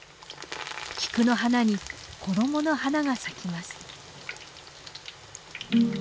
菊の花に衣の花が咲きます。